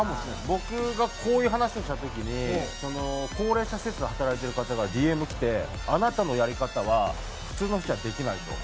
僕がこういう話をした時に高齢者施設で働いてる方からＤＭ来て「あなたのやり方は普通の人はできない」と。